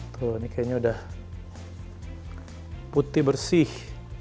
tuh ini kayaknya udah putih bersih